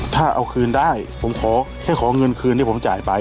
ถ้าเอาคืนได้ผมขอแค่ขอเงินคืนที่ผมจ่ายไป